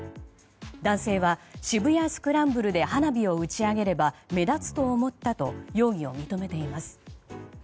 男性は渋谷スクランブルで花火を打ち上げれば目立つと思ったと容疑を認めています。